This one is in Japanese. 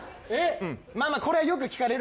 まあまあこれよく聞かれるから。